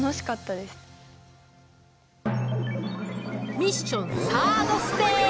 ミッションサードステージ！